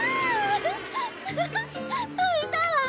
フフフ浮いたわ！